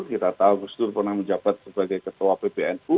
kita tahu gustaf pernah menjabat sebagai ketua pbnu